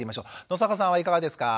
野坂さんはいかがですか？